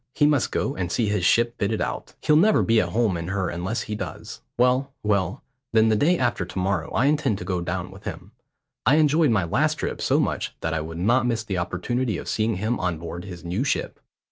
He must go and see his ship fitted out. He'll never be at home in her unless he does. Well, well, then the day after to morrow I intend to go down with him. I enjoyed my last trip so much that I would not miss the opportunity of seeing him on board his new ship.